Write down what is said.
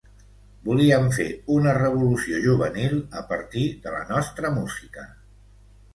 Volíem fer una revolució juvenil a partir de la nostra música.